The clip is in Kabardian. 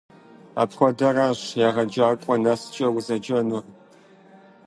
Апхуэдэращ егъэджакӀуэ нэскӀэ узэджэнур.